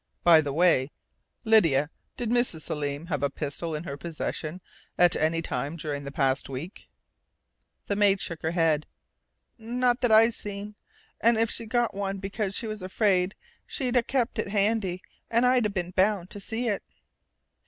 "By the way, Lydia, did Mrs. Selim have a pistol in her possession at any time during the past week?" The maid shook her head. "Not that I seen. And if she'd got one because she was afraid, she'd a kept it handy and I'd a been bound to see it."